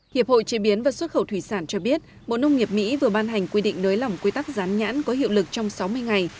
hiệp hội chế biến và xuất khẩu thủy sản cho biết bộ nông nghiệp mỹ vừa ban hành quy định nới lỏng quy tắc rán nhãn có hiệu lực trong sáu mươi ngày